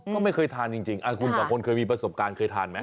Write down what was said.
ก็ไม่เคยทานจริงคุณสองคนเคยมีประสบการณ์เคยทานไหม